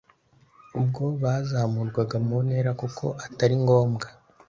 ubwo bazamurwaga mu ntera kuko atari ngombwa